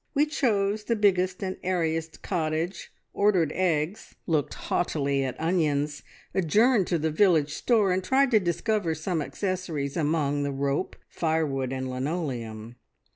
We chose the biggest and airiest cottage, ordered eggs, looked haughtily at onions, adjourned to the village store and tried to discover some accessories among the rope, firewood, and linoleum.